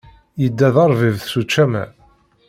Yedda d arbib s učamar.